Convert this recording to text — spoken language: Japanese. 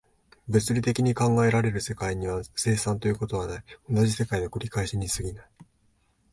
物理的に考えられる世界には、生産ということはない、同じ世界の繰り返しに過ぎない。